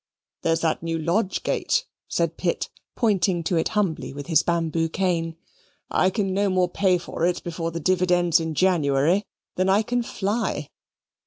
"There is that new lodge gate," said Pitt, pointing to it humbly with the bamboo cane, "I can no more pay for it before the dividends in January than I can fly."